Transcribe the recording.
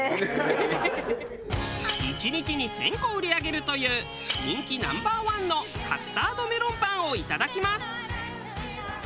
１日に１０００個売り上げるという人気ナンバーワンのカスタードメロンパンをいただきます。